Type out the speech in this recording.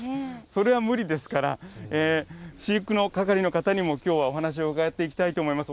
それは無理ですから、飼育の係の方にもきょうはお話を伺っていきたいと思います。